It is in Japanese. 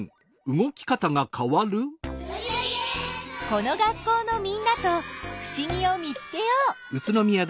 この学校のみんなとふしぎを見つけよう。